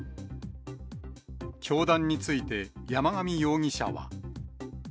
教団について山上容疑者は。